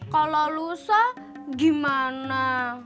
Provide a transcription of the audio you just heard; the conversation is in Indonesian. kalau lusa gimana